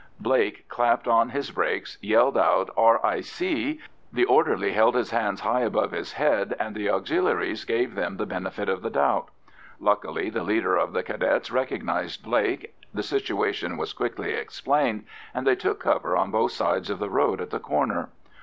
Blake clapped on his brakes, yelled out "R.I.C."; the orderly held his hands high above his head, and the Auxiliaries gave them the benefit of the doubt. Luckily the leader of the Cadets recognised Blake, the situation was quickly explained, and they took cover on both sides of the road at the corner.